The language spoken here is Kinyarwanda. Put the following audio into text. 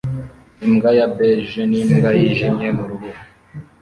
Imbwa ya beige n'imbwa yijimye mu rubura